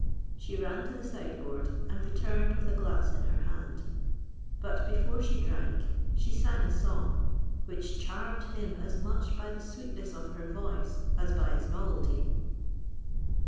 She ran to the sideboard, and returned with a glass in her hand; but before she drank, she sung a song, which charmed him as much by the sweetness of her voice as by its novelty.